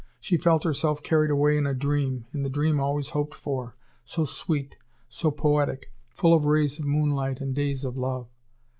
She felt herself carried away in a dream, in the dream always hoped for, so sweet, so poetic, full of rays of moonlight and days of love.